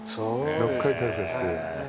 ６回対戦して。